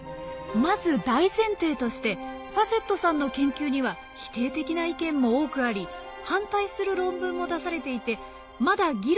まず大前提としてファセットさんの研究には否定的な意見も多くあり反対する論文も出されていてまだ議論が続いている状況なんです。